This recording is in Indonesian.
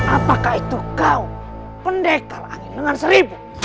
apakah itu kau pendekar angin dengan seribu